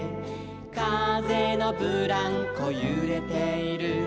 「かぜのブランコゆれている」